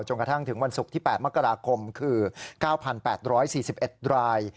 กระทั่งถึงวันศุกร์ที่๘มกราคมคือ๙๘๔๑ราย